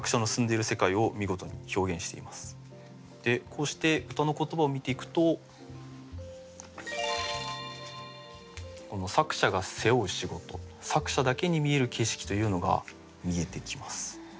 こうして歌の言葉を見ていくと作者が背負う仕事作者だけに見える景色というのが見えてきます。